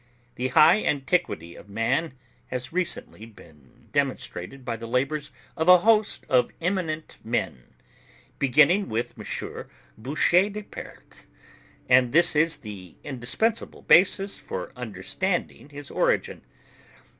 The high antiquity of man has recently been demonstrated by the labours of a host of eminent men, beginning with M. Boucher de Perthes; and this is the indispensable basis for understanding his origin.